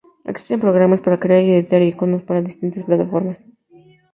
Existen programas para crear y editar iconos para distintas plataformas.